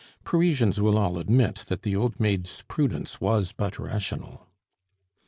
Parisians will all admit that the old maid's prudence was but rational.